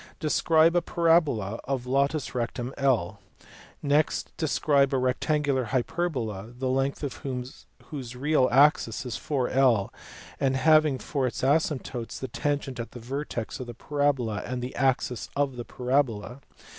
Describe a parabola of latus rectum I. Next describe a rect angular hyperbola, the length of whose real axis is 4, and having for its asymptotes the tangent at the vertex of the parabola and the axis of the parabola.